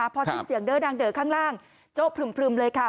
พอที่เสียงเดอะนางเดอะข้างล่างโจ๊กพลึ่มเลยค่ะ